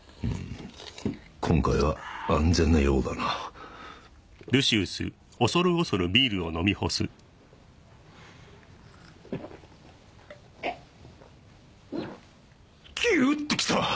今回は安全なようだなキューッときた！